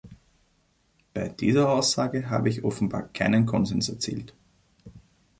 Bei dieser Aussage habe ich offenbar keinen Konsens erzielt!